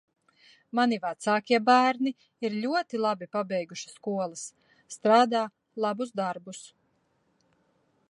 Mani vecākie bērni ir ļoti labi pabeiguši skolas, strādā labus darbus.